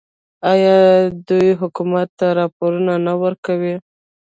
آیا دوی حکومت ته راپورونه نه ورکوي؟